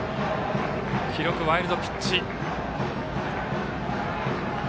記録はワイルドピッチ。